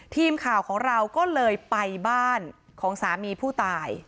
ทีมข่าวของเราก็เลยไปบ้านของสามีผู้ตาย